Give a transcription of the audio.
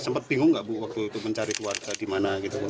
sempat bingung nggak bu waktu itu mencari keluarga di mana gitu bu